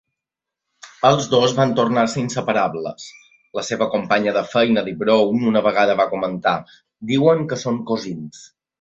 Els dos van tornar-se inseparables. La seva companya de feina Dee Brown una vegada va comentar: "Diuen que són cosins...".